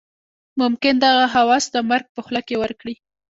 ممکن دغه هوس د مرګ په خوله کې ورکړي.